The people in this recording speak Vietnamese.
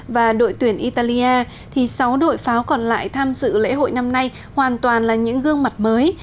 và đội tuyển italia thì sáu đội pháo còn lại tham dự lễ hội năm nay hoàn toàn là những gương mặt mới